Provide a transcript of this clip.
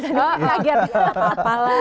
gak apa apa lah